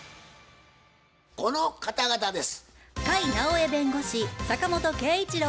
この方々です。